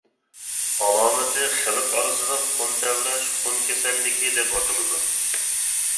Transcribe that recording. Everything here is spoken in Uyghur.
ئالامىتى: خەلق ئارىسىدا خۇن تەۋرەش، خۇن كېسەللىكى دەپ ئاتىلىدۇ.